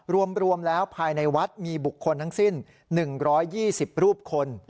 รวมแล้วภายในวัดมีบุคคลทั้งสิ้น๑๒๐รูปคน